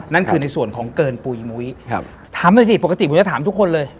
นั่นคือในส่วนของเกินปุ๋ยมุ้ยครับถามหน่อยสิปกติผมจะถามทุกคนเลย